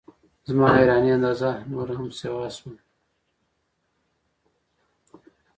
زما د حیرانۍ اندازه نوره هم سیوا شوه.